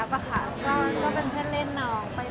เจลฮับหลังเราไม่ค่อยได้เจอพี่แอฟ